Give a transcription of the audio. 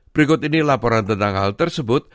berikut ini laporan tentang hal tersebut